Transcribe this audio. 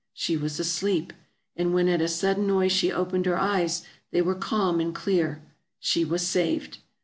She was asleep; and when at a sud den noise she opened her eyes, they were calm and clear. She was saved!